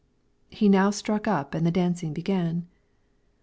He now struck up and the dancing began.